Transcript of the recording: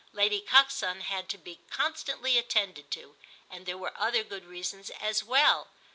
Lady Coxon had to be constantly attended to, and there were other good reasons as well.